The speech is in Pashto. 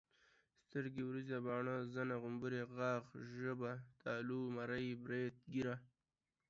سترګي ، وريزي، باڼه، زنه، غمبوري، غاښ، ژبه ،تالو، مرۍ، بريت، ګيره